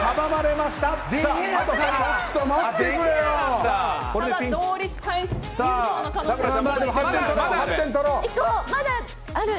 まだある！